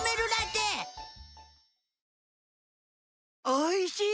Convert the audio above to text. おいしい！